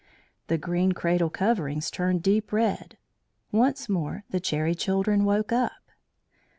The green cradle coverings turned deep red. Once more the Cherry Children woke up.